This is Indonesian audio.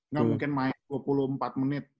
nggak mungkin main dua puluh empat menit